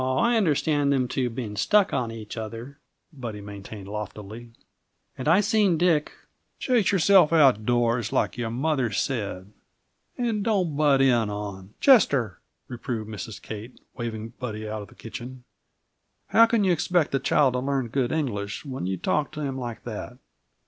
"Aw, I understand them two being stuck on each other," Buddy maintained loftily. "And I seen Dick " "Chase yourself outdoors, like your mother said; and don't butt in on " "Chester!" reproved Mrs. Kate, waving Buddy out of the kitchen. "How can you expect the child to learn good English, when you talk to him like that?